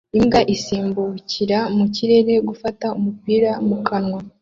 Imbwa isimbukira mu kirere gufata umupira mu kanwa